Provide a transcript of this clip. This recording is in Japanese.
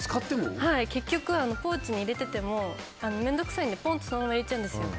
結局、ポーチに入れてても面倒くさいのでポンってそのまま入れちゃうんです。